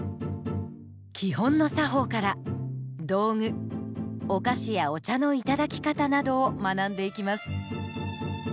基本の作法から道具お菓子やお茶のいただき方などを学んでいきます。